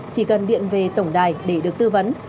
chỉ cần điện về tổng đài để được tư vấn